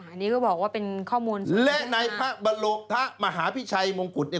อันนี้ก็บอกว่าเป็นข้อมูลและในพระบรมโลทะมหาพิชัยมงกุฎเนี่ย